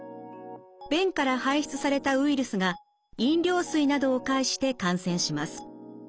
便から排出されたウイルスが飲料水などを介して感染します。